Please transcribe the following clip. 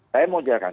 saya mau jelaskan